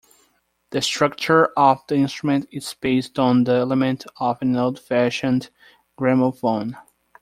The structure of the instrument is based on the element of an old-fashioned gramophone.